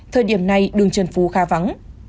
thời điểm này đường trần phú khá vắng